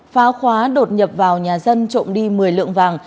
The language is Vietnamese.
phá khóa đột nhập vào nhà dân trộm đi một mươi lượng vàng